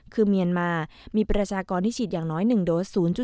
คือเมียนมามีประชากรที่ฉีดอย่างน้อย๑โดส๐